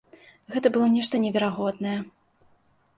Гэта было нешта неверагоднае.